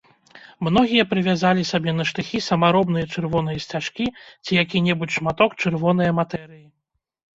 Многія прывязалі сабе на штыхі самаробныя чырвоныя сцяжкі ці які-небудзь шматок чырвонае матэрыі.